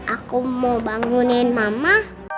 aku mau bangunin mama